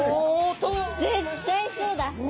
絶対そうだ。